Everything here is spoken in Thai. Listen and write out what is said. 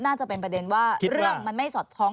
น่าจะเป็นประเด็นว่าเรื่องมันไม่สอดคล้อง